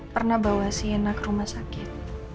pernah bawa sienna ke rumah sakit